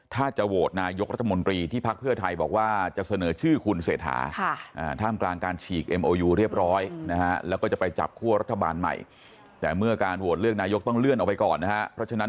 ถ้าจะโหวตนายกรัฐมนตรีที่พักเพื่อไทยบอกว่าจะเสนอชื่อคุณเศรษฐา